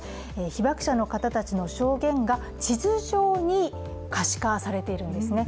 被ばく者の方たちの証言が地図上に可視化されているんですね。